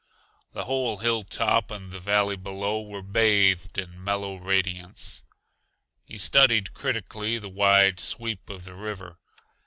The whole hilltop and the valley below were bathed in mellow radiance. He studied critically the wide sweep of the river.